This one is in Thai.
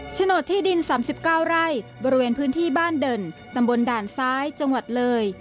โฉนดที่ดิน๓๙ไร่บริเวณพื้นที่บ้านเด่นตำบลด่านซ้ายจังหวัดเลย